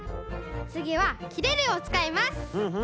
つぎは「きれる」をつかいます。